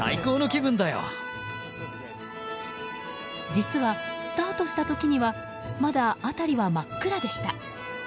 実は、スタートした時にはまだ辺りは真っ暗でした。